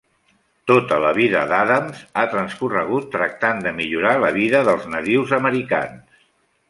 Tota la vida d'Adams ha transcorregut tractant de millorar la vida dels nadius americans.